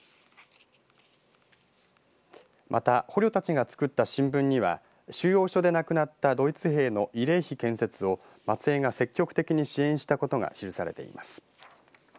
また捕虜たちが作った新聞には収容所で亡くなったドイツ兵の慰霊碑建設を松江が積極的に支援したことが記されています。